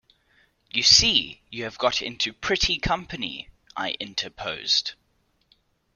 'You see you have got into pretty company,’ I interposed.